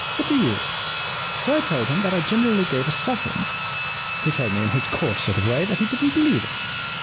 " What do you ? So I told him that I generally gave a sovereign. He told me in his coarse sort of way that he didn*t believe it.